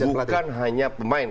bukan hanya pemain